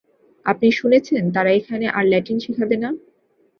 আপনি শুনেছেন তারা এখানে আর ল্যাটিন শেখাবে না?